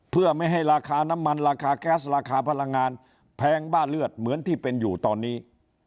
เพื่อไม่ให้ราคาน้ำมันราคาแก๊สราคาพลังงานแพงบ้าเลือดเหมือนที่เป็นอยู่ตอนนี้